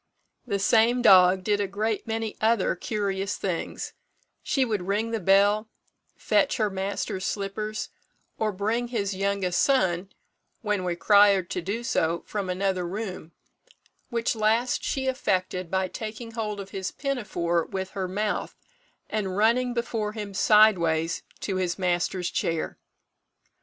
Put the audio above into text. The same dog did a great many other curious things: she would ring the bell, fetch her master's slippers, or bring his youngest son, when required to do so, from another room; which last she effected by taking hold of his pinafore with her mouth, and running before him sideways to his master's chair.